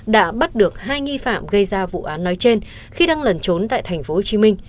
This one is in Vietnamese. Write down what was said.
đã bắt được hai nghi phạm gây ra vụ án nói trên khi đang lần trốn tại tp hcm